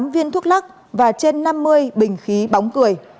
tám viên thuốc lắc và trên năm mươi bình khí bóng cười